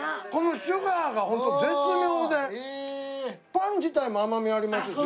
パン自体も甘みありますしね。